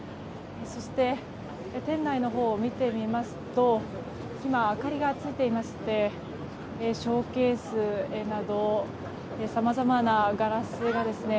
そして、店内のほうを見てみますと今、明かりがついていましてショーケースなどさまざまなガラスがですね